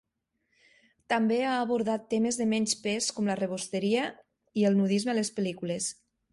També ha abordat temes de menys pes com la rebosteria i el nudisme a les pel·lícules.